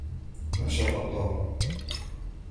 ما شاء الله!